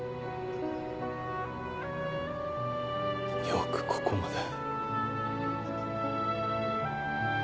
よくここまで。